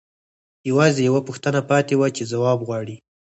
یوازې یوه پوښتنه پاتې وه چې ځواب غواړي